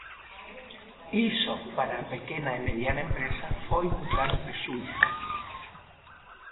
Iso para a pequena e mediana empresa foi un claro prexuízo.